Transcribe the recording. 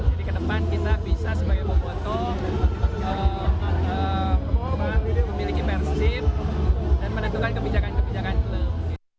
jadi ke depan kita bisa sebagai pemotong memiliki persib dan menentukan kebijakan kebijakan klub